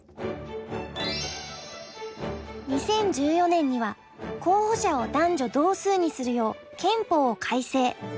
２０１４年には候補者を男女同数にするよう憲法を改正。